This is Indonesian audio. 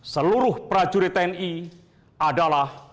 seluruh prajurit tni adalah